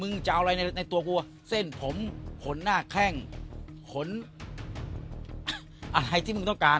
จะเอาอะไรในตัวกูเส้นผมขนหน้าแข้งขนอะไรที่มึงต้องการ